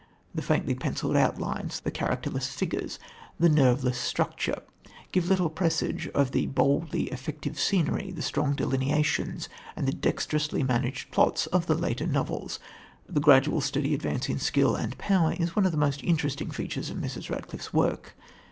The faintly pencilled outlines, the characterless figures, the nerveless structure, give little presage of the boldly effective scenery, the strong delineations and the dexterously managed plots of the later novels. The gradual, steady advance in skill and power is one of the most interesting features of Mrs. Radcliffe's work.